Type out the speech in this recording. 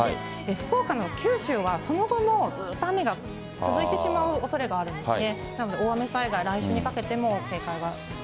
福岡の九州はその後もずっと雨が続いてしまうおそれがありますね。